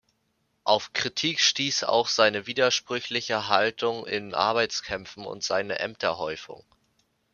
Auf Kritik stieß auch seine widersprüchliche Haltung in Arbeitskämpfen und seine Ämterhäufung.